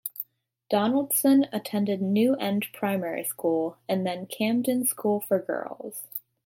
Donaldson attended New End Primary School and then Camden School for Girls.